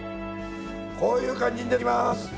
こういう感じに出てきます。